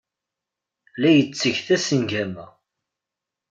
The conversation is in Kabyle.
La yetteg tasengama.